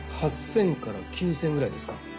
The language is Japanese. ８，０００から９，０００くらいですか？